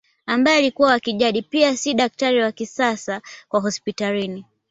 Ambaye alikuwa wa kijadi pia si daktari wa kisasa wa hospitalini